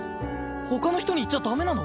他の人に言っちゃダメなの？